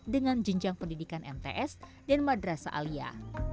dengan jenjang pendidikan mts dan madrasa alia